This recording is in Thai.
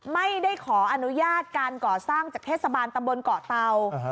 ไม่ได้ขออนุญาตการก่อสร้างจากเทศบาลตำบลเกาะเตา